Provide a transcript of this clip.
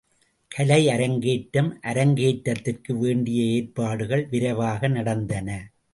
கலை அரங்கேற்றம் அரங்கேற்றத்திற்கு வேண்டிய ஏற்பாடுகள் விரைவாக நடந்தன.